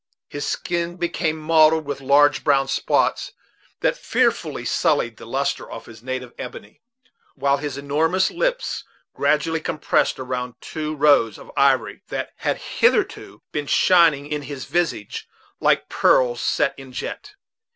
His skin became mottled with large brown spots, that fearfully sullied the lustre of his native ebony, while his enormous lips gradually compressed around two rows of ivory that had hitherto been shining in his visage like pearls set in jet.